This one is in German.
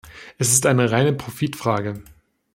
Es ist eine reine Profitfrage.